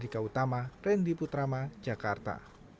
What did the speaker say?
gautama randy putrama jakarta